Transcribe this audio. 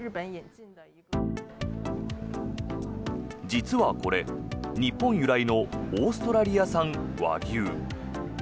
実はこれ、日本由来のオーストラリア産ＷＡＧＹＵ。